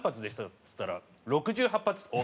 っつったら「６８発」って。